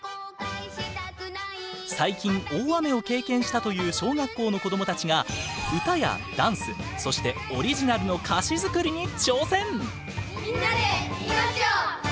最近大雨を経験したという小学校の子どもたちが歌やダンスそしてオリジナルの歌詞作りに挑戦！